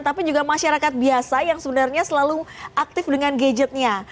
tapi juga masyarakat biasa yang sebenarnya selalu aktif dengan gadgetnya